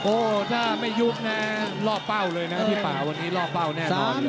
โอ้โหถ้าไม่ยุบนะรอบเป้าเลยนะพี่ป่าวันนี้ล่อเป้าแน่นอนเลย